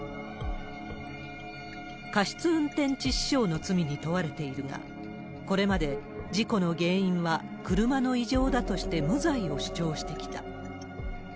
過失運転致死傷の罪に問われているが、これまで、事故の原因は車の異常だとして無罪を主張してきた。